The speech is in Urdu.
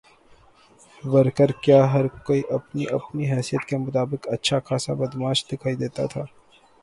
ورکر کیا ہر کوئی اپنی اپنی حیثیت کے مطابق اچھا خاصا بدمعاش دکھائی دیتا تھا۔